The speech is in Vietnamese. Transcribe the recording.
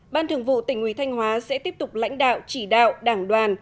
ban thường vụ tỉnh ủy thanh hóa sẽ tiếp tục lãnh đạo chỉ đạo đảng đoàn